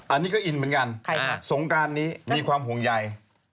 อันนี้ก็อินเหมือนกันสงการนี้มีความห่วงใย